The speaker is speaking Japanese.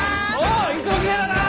いつもきれいだな！